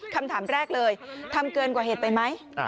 คำถามแรกเลยทำเกินกว่าเหตุไปไหม